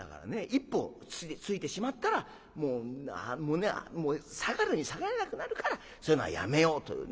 一歩ついてしまったらもう下がるに下がれなくなるからそういうのはやめようという。